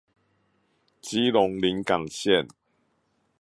基隆臨港線